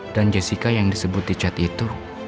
dan jessica yang disebut di chat itu